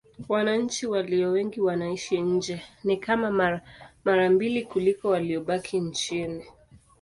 Wananchi walio wengi wanaishi nje: ni kama mara mbili kuliko waliobaki nchini.